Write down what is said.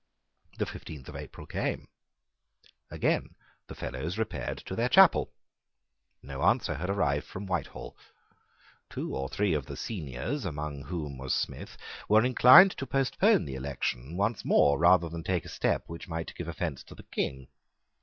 The fifteenth of April came. Again the Fellows repaired to their chapel. No answer had arrived from Whitehall. Two or three of the Seniors, among whom was Smith, were inclined to postpone the election once more rather than take a step which might give offence to the King.